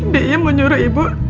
bi iyam menyuruh ibu